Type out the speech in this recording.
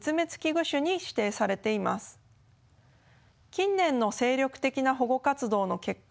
近年の精力的な保護活動の結果